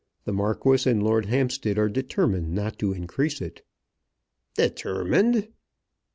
The Marquis and Lord Hampstead are determined not to increase it." "Determined!"